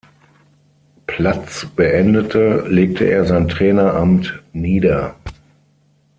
Platz beendete, legte er sein Traineramt nieder.